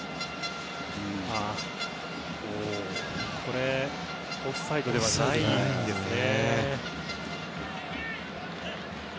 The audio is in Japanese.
これは、オフサイドではないんですね。